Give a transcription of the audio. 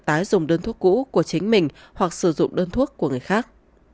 tái dùng đơn thuốc cũ của chính mình hoặc sử dụng đơn thuốc của người khác